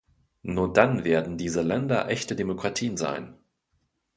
Nur dann werden diese Länder echte Demokratien sein.